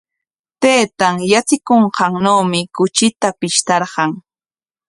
Taytan yatsikunqannawmi kuchita pishtarqan.